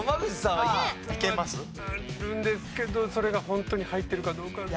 あるんですけどそれがホントに入ってるかどうかって。